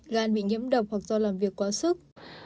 gan bị nhiễm độc hoặc do làm việc quá sức